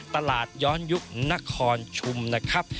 ตลาดย้อนยุคนครชุมนะครับ